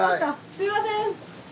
すいません。